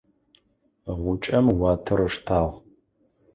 Гъукӏэм уатэр ыштагъ.